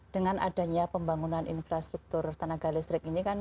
dengan adanya pembangunan infrastruktur tenaga listrik ini kan